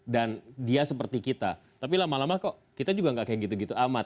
dan dia seperti kita tapi lama lama kok kita juga nggak kayak gitu gitu amat